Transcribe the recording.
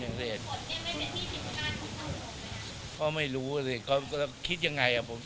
ความคึกหน้าในคดีหม่วย๓๐ล้านตอนนี้ได้รับรายงานยังไงบ้างครับ